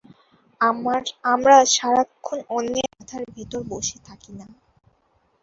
আমরা সারাক্ষণ অন্যের মাথার ভেতর বসে থাকি না।